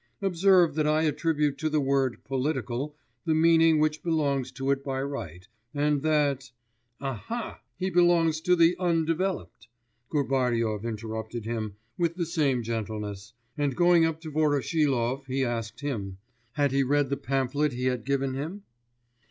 Observe that I attribute to the word "political" the meaning which belongs to it by right, and that ' 'Aha! he belongs to the undeveloped,' Gubaryov interrupted him, with the same gentleness, and going up to Voroshilov, he asked him: 'Had he read the pamphlet he had given him?